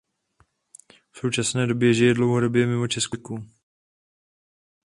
V současné době žije dlouhodobě mimo Českou republiku.